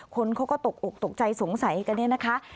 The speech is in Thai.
คนเขาก็ตกอกตกใจสงสัยกันเนี่ยนะคะ